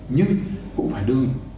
nhưng cũng phải đưa